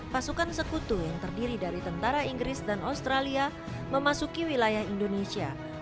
pasukan sekutu yang terdiri dari tentara inggris dan australia memasuki wilayah indonesia